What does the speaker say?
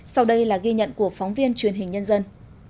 sau đây là ghi nhận của phóng viên truyền hình nhân dân